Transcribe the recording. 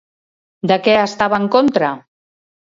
De què estava en contra?